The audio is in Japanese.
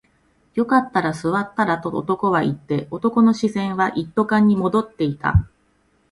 よかったら座ったらと男は言って、男の視線は一斗缶に戻っていた